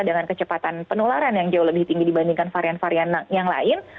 dengan kecepatan penularan yang jauh lebih tinggi dibandingkan varian varian yang lain